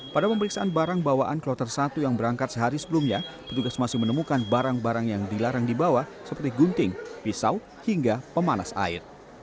pada pemeriksaan barang bawaan kloter satu yang berangkat sehari sebelumnya petugas masih menemukan barang barang yang dilarang dibawa seperti gunting pisau hingga pemanas air